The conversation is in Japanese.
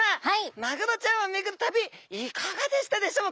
マグロちゃんを巡る旅いかがでしたでしょうか。